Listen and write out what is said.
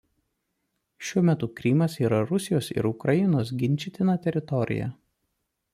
Šiuo metu Krymas yra Rusijos ir Ukrainos ginčytina teritorija.